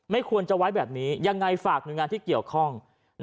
ควรจะไว้แบบนี้ยังไงฝากหน่วยงานที่เกี่ยวข้อง